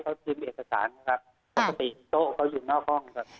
ปกติโต๊ะก็อยู่นอกห้อง